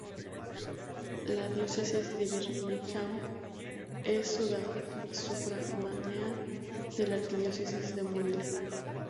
La Diócesis de Birmingham es sufragánea de la Arquidiócesis de Mobile.